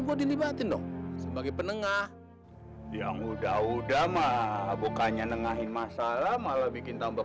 buat dilibatin dong sebagai penengah yang udah udah mah bukannya nengahin masalah malah bikin tambah